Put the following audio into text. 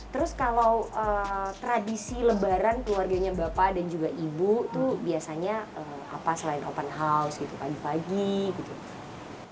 terus kalau tradisi lebaran keluarganya bapak dan juga ibu tuh biasanya apa selain open house gitu pagi pagi gitu